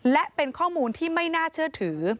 และเป็นข้อมูลที่ไม่น่าเชื่อถือ